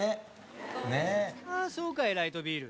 「そうかいライトビール。